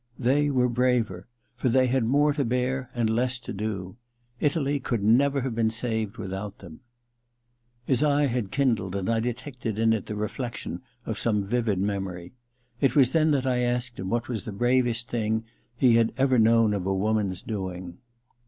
* They were braver — for they had more to bear and less to 238 THE LETTER i do. Italy could never have been saved without them/ His eye had kindled and I detected in it the reflection of some vivid memory. It was then that I asked him what was the bravest thing he had ever known of a woman's doing.